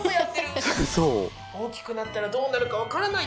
大きくなったらどうなるか分からないですね。